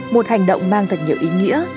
một hành động mang thật nhiều ý nghĩa